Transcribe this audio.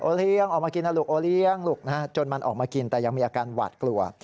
เลี้ยงออกมากินนะลูกโอเลี้ยงลูกจนมันออกมากินแต่ยังมีอาการหวาดกลัว